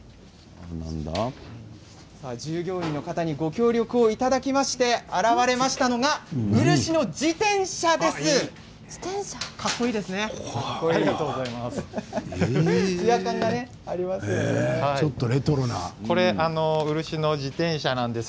従業員の方にご協力をいただきまして現れましたのが漆の自転車です。